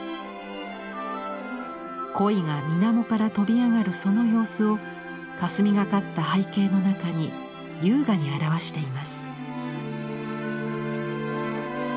鯉が水面から飛び上がるその様子をかすみがかった背景の中に優雅に表しています。